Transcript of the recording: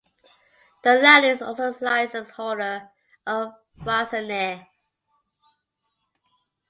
The latter is also license holder of "Farzaneh".